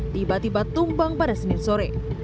tiba tiba tumbang pada senin sore